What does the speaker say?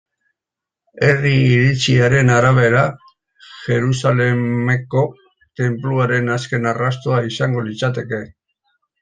Herri iritziaren arabera, Jerusalemeko Tenpluaren azken arrastoa izango litzateke.